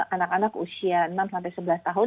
anak anak usia enam sampai sebelas tahun